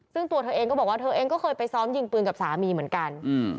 ซึ่งตัวเธอเองก็บอกว่าเธอเองก็เคยไปซ้อมยิงปืนกับสามีเหมือนกัน